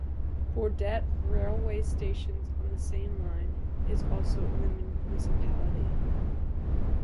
Bordet railway station, on the same line, is also in the municipality.